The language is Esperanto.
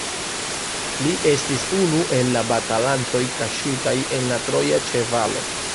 Li estis unu el la batalantoj kaŝita en la troja ĉevalo.